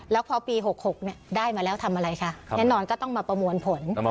แล้วพอปี๖๖ได้มาแล้วทำอะไรคะแน่นอนก็ต้องมาประมวลผล